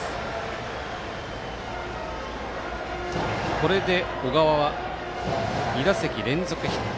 これで小川は２打席連続ヒット。